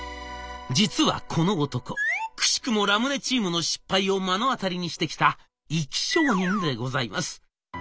実はこの男くしくもラムネチームの失敗を目の当たりにしてきた生き証人でございます。